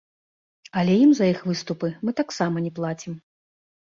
Але ім за іх выступы мы таксама не плацім.